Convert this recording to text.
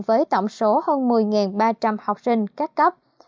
với tổng số hơn một mươi ba trăm linh học sinh các cấp